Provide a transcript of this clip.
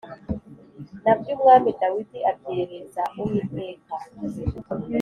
Na byo Umwami Dawidi abyereza Uwiteka